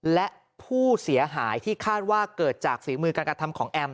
และผู้เสียหายที่คาดว่าเกิดจากฝีมือการกระทำของแอม